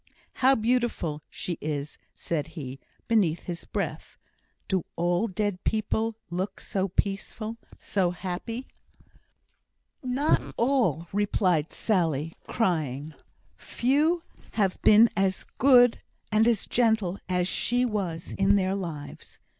"How beautiful she is!" said he, beneath his breath. "Do all dead people look so peaceful so happy?" "Not all," replied Sally, crying. "Few has been as good and as gentle as she was in their lives."